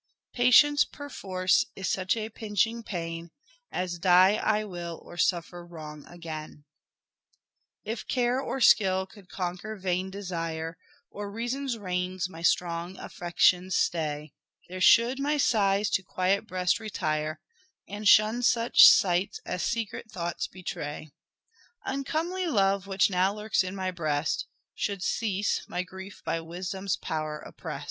Patience perforce is such a pinching pain, As die I will or suffer wrong again." " If care or skill could conquer vain desire, Or reason's reins my strong affections stay, There should my sighs to quiet breast retire, And shun such sights as secret thoughts betray ; Uncomely love, which now lurks in my breast Should cease, my grief by wisdom's power oppress'd."